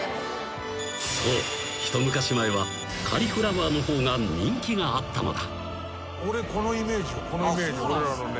一昔前はカリフラワーの方が人気があったのだ］